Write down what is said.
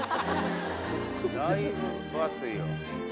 だいぶ分厚いよ。